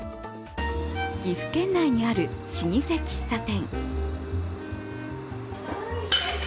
岐阜県内にある老舗喫茶店。